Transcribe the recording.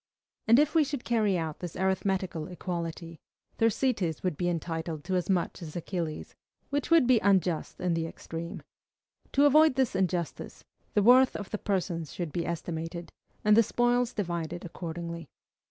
And if we should carry out this arithmetical equality, Thersites would be entitled to as much as Achilles, which would be unjust in the extreme. To avoid this injustice, the worth of the persons should be estimated, and the spoils divided accordingly.